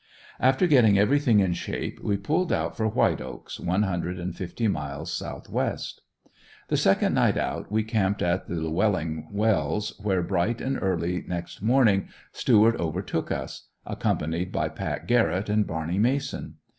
After getting everything in shape we pulled out for White Oaks, one hundred and fifty miles southwest. The second night out we camped at the Lewelling Wells, where bright and early next morning Stuart overtook us; accompanied by Pat Garrett and Barney Mason.